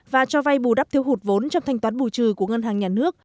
và cho vay bù đắp thiếu hụt vốn trong thanh toán bù trừ của ngân hàng nhà nước